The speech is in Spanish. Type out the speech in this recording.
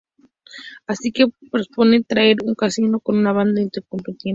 Así que se propone atracar un casino con una banda de incompetentes.